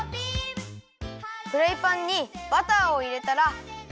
フライパンにバターをいれたらよ